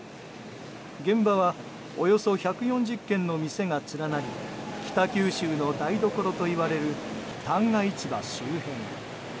現場はおよそ１４０軒の店が連なり北九州の台所といわれる旦過市場周辺。